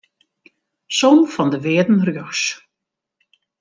Som fan de wearden rjochts.